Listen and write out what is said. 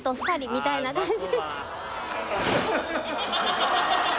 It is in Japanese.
みたいな感じ